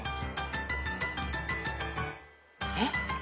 えっ！？